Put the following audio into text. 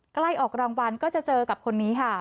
ใกล้ออกรางวัลก็จะเจอกับคนนี้ค่ะ